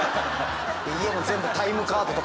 家も全部タイムカードとかさ。